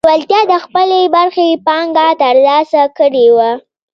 لېوالتیا د خپلې برخې پانګه ترلاسه کړې وه.